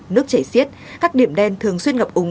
nước chảy xiết các điểm đen thường xuyên ngập úng